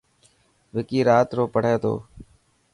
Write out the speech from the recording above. وڪي رات رو پهڙي تو.